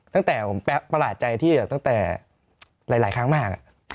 ตั้งแต่ผมประหลาดใจที่ตั้งแต่หลายครั้งมาก